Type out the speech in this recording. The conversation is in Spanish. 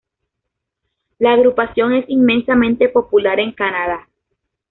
La agrupación es inmensamente popular en Canadá.